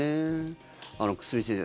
久住先生